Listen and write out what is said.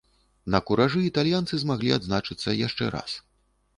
На куражы італьянцы змаглі адзначыцца яшчэ раз.